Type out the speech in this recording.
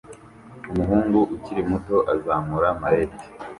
Umuhungu ukiri muto azamura mallet